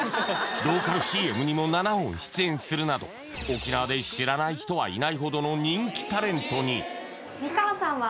ローカルＣＭにも７本出演するなど沖縄で知らない人はいないほどの人気タレントに！